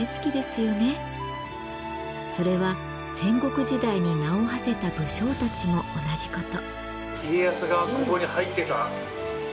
それは戦国時代に名をはせた武将たちも同じこと。